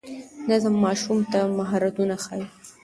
نظم ماشوم ته مهارتونه ښيي.